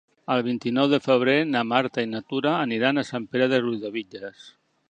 El vint-i-nou de febrer na Marta i na Tura aniran a Sant Pere de Riudebitlles.